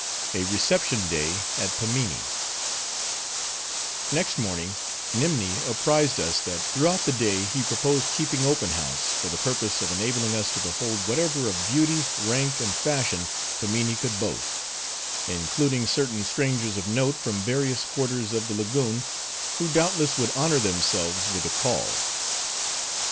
A Reception Day At Pimminee Next morning, Nimni apprized us, that throughout the day he proposed keeping open house, for the purpose of enabling us to behold whatever of beauty, rank, and fashion, Pimminee could boast; including certain strangers of note from various quarters of the lagoon, who doubtless would honor themselves with a call.